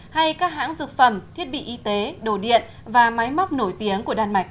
hay các hãng dược phẩm thiết bị y tế đồ điện và máy móc nổi tiếng của đan mạch